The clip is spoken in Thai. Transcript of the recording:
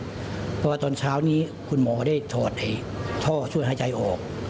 เพราะว่าตอนเช้านี้คุณหมอได้ถอดท่อช่วยหายใจออก